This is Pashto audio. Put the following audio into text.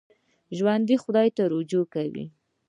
ژوندي خدای ته رجوع کوي